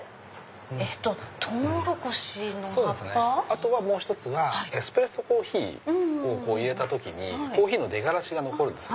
あとはもう１つはエスプレッソコーヒーを入れた時にコーヒーの出がらしが残るんです